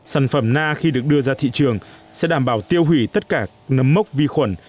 sản phẩm na khi được đưa ra thị trường sẽ đảm bảo tiêu hủy tất cả nấm mốc vi khuẩn